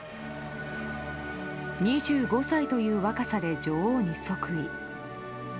２５歳という若さで女王に即位。